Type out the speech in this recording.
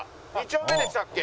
２丁目でしたっけ？